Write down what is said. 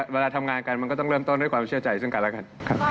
เวลาทำงานกันมันก็ต้องเริ่มต้นด้วยความเชื่อใจซึ่งกันแล้วกัน